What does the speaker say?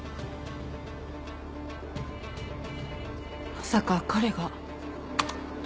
まさか彼が。